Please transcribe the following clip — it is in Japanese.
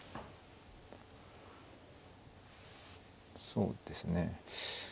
そうですね